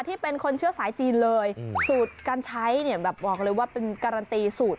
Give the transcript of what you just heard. ที่เป็นคนเชื่อสายจีนเลยสูตรการใช้บอกเลยว่าเป็นการันตีสูตร